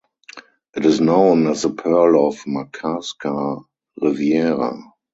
It is known as the pearl of Makarska riviera.